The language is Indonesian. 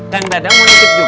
kang dadang mau ngikip juga